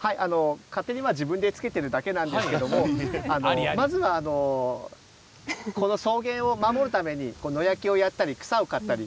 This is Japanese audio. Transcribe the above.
勝手に自分でつけてるだけなんですけどもまずは、この草原を守るために、野焼きをやったり草を刈ったり。